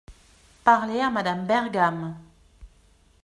Parler à Madame Bergam.